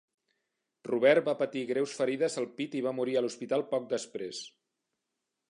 Robert va patir greus ferides al pit i va morir a l'hospital poc després.